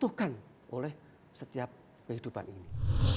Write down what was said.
dibutuhkan oleh setiap kehidupan ini